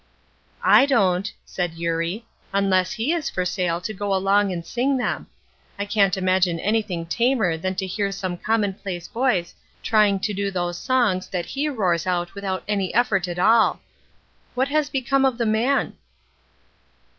"I don't," said Eurie, "unless he is for sale to go along and sing them. I can't imagine anything tamer than to hear some commonplace voice trying to do those songs that he roars out without any effort at all. What has become of the man?"